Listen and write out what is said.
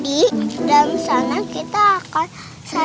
aku mau ke bukit nusa